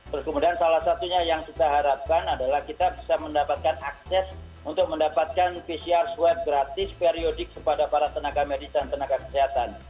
terus kemudian salah satunya yang kita harapkan adalah kita bisa mendapatkan akses untuk mendapatkan pcr swab gratis periodik kepada para tenaga medis dan tenaga kesehatan